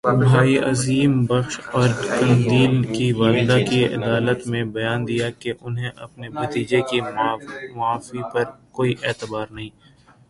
بھائی عظیم بخش اور قندیل کی والدہ نے عدالت میں بیان دیا کہ انہیں اپنے بھتیجے کی معافی پر کوئی اعتبار نہیں